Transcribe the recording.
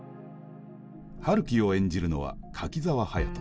陽樹を演じるのは柿澤勇人。